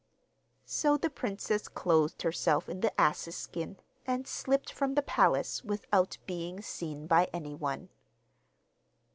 So the princess clothed herself in the ass's skin, and slipped from the palace without being seen by anyone.